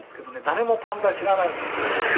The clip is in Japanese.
誰もパンダ知らないんです当時は」